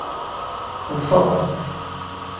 Xellṣeɣ-tent.